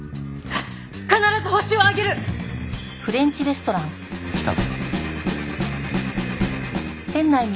必ずホシを挙げる！来たぞ。